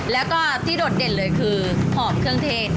แล้วก็ที่โดดเด่นเลยคือหอมเครื่องเทศ